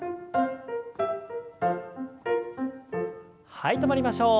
はい止まりましょう。